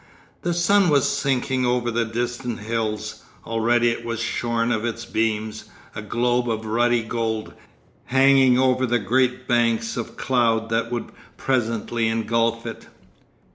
The sun was sinking over the distant hills. Already it was shorn of its beams, a globe of ruddy gold, hanging over the great banks of cloud that would presently engulf it.